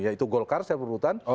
yaitu golkar saya perlukan